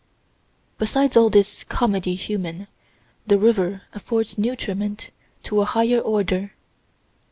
Besides all this "comedy human," the river affords nutriment of a higher order.